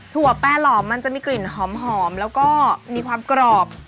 ถั่วแปลหล่อมันจะมีกลิ่นหอมแล้วก็มีความกรอบ